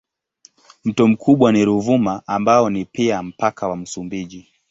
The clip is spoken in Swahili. Mto mkubwa ni Ruvuma ambao ni pia mpaka wa Msumbiji.